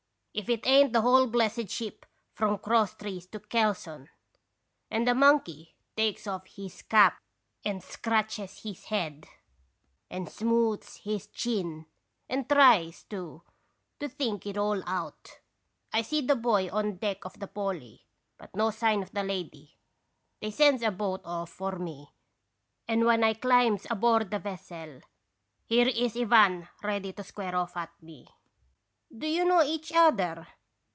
' If it ain't the whole blessed ship, from cross trees to kelson !' "And the monkey takes off his cap and scratches his head and smooths his chin, and tries, too, to think it all out. " I see the boy on deck of the Polly, but no sign of the lady. They sends a boat off for me, and when I climbs aboard the vessel, here is Ivan ready to square off at me. " 'Do you know each other?'